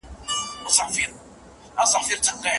د رسنیو له لارې ځیني وختونه د دروغو خبرونه او وېره خپرول کېږي.